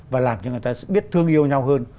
và làm cho người ta biết thương yêu nhau hơn